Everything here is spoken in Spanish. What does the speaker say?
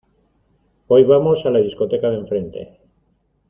Hoy vamos a la discoteca de enfrente.